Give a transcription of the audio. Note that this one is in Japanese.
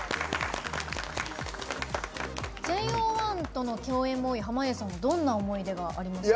ＪＯ１との共演は濱家さんは、どんな思い出がありますか？